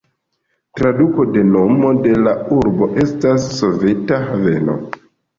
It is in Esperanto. Traduko de nomo de la urbo estas "soveta haveno".